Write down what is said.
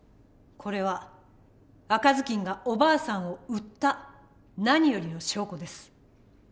これは赤ずきんがおばあさんを売った何よりの証拠です。